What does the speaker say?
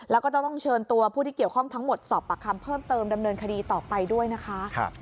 แล้วก็จะต้องเชิญตัวผู้ที่เกี่ยวข้องทั้งหมดสอบปากคำเพิ่มเติมดำเนินคดีต่อไปด้วยนะคะ